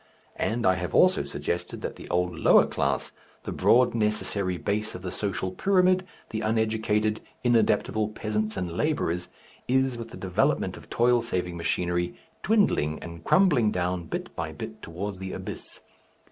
And I have also suggested that the old lower class, the broad necessary base of the social pyramid, the uneducated inadaptable peasants and labourers, is, with the development of toil saving machinery, dwindling and crumbling down bit by bit towards the abyss.